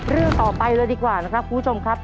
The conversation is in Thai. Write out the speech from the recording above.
เรื่องต่อไปเลยดีกว่านะครับคุณผู้ชมครับ